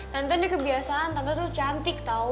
tante ini kebiasaan tante tuh cantik tau